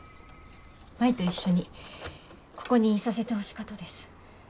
舞と一緒にここにいさせてほしかとです。